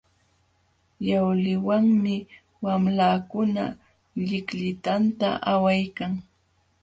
Yawliwanmi wamlakuna llikllitanta awaykan.